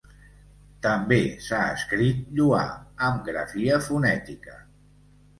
També s'ha escrit Lloà, amb grafia fonètica.